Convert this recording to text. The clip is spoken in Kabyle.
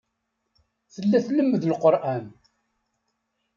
Tella tlemmed Leqran.